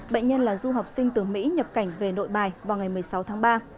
bệnh nhân là du học sinh từ mỹ nhập cảnh về nội bài vào ngày một mươi sáu tháng ba